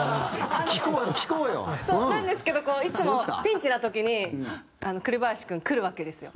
浅尾：なんですけどいつもピンチな時に栗林君、来るわけですよ。